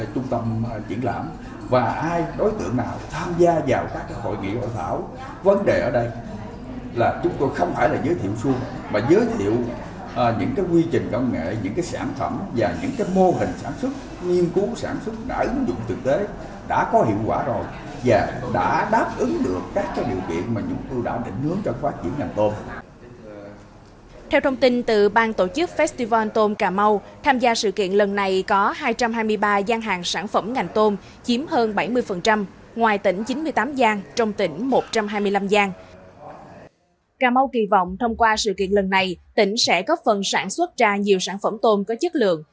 cà mau kỳ vọng thông qua sự kiện lần này tỉnh sẽ có phần sản xuất ra nhiều sản phẩm tôm có chất lượng